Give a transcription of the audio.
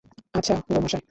আচ্ছা গো মশায়!